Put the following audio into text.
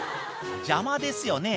邪魔ですよね。